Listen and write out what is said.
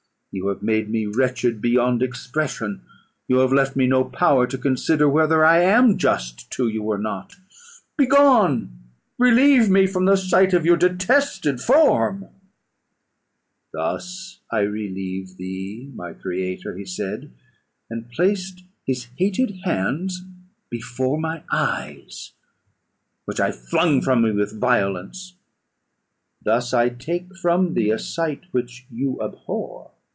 You have made me wretched beyond expression. You have left me no power to consider whether I am just to you, or not. Begone! relieve me from the sight of your detested form." "Thus I relieve thee, my creator," he said, and placed his hated hands before my eyes, which I flung from me with violence; "thus I take from thee a sight which you abhor.